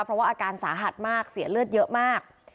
เพราะว่าอาการสาหัสมากเสียเลือดเยอะมาก